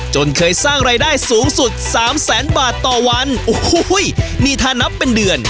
เคยสร้างรายได้สูงสุดสามแสนบาทต่อวันโอ้โหนี่ถ้านับเป็นเดือน